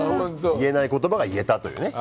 言えない言葉が言えたというね。